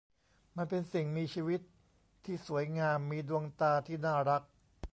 มันเป็นสิ่งมีชีวิตที่สวยงามมีดวงตาที่น่ารัก